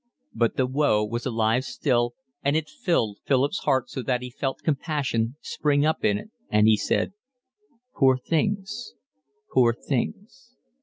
Yet the woe was alive still, and it filled Philip's heart so that he felt compassion spring up in it, and he said: "Poor things, poor things."